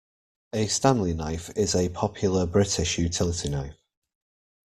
A Stanley knife is a popular British utility knife